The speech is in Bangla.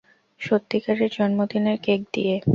সত্যিকারের জন্মদিনের কেক দিয়ে।